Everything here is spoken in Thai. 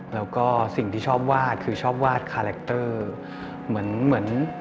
แล้วก็สิ่งที่ชอบวาดคือชอบวาดกับผู้หญ้ากู้